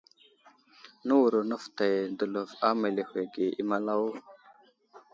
Nəwuro nəfətay dəlov a meləhwəge i malawo.